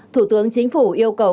thủ tướng chính phủ yêu cầu